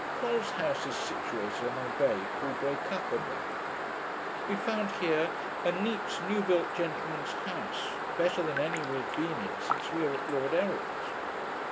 Col's house is situated on a bay called Breacacha Bay. We found here a neat new built gentleman's house, better than any we had been in since we were at Lord Errol's.